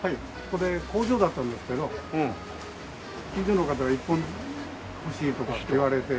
これ工場だったんですけど近所の方が１本ずつ欲しいとかって言われて。